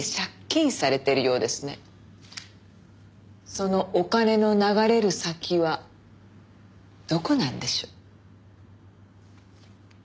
そのお金の流れる先はどこなんでしょう？